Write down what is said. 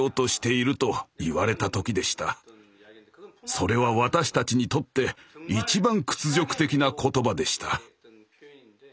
それは私たちにとって一番屈辱的な言葉でした。